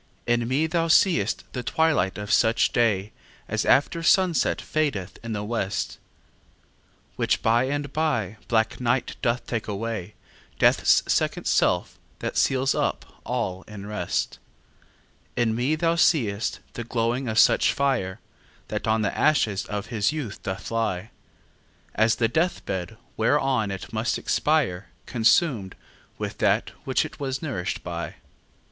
In me thou see'st the twilight of such day As after sunset fadeth in the west; Which by and by black night doth take away, Death's second self, that seals up all in rest. In me thou see'st the glowing of such fire, That on the ashes of his youth doth lie, As the death bed, whereon it must expire, Consum'd with that which it was nourish'd by.